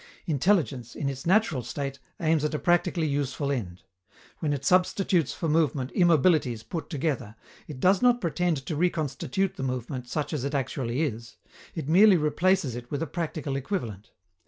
Intelligence, in its natural state, aims at a practically useful end. When it substitutes for movement immobilities put together, it does not pretend to reconstitute the movement such as it actually is; it merely replaces it with a practical equivalent.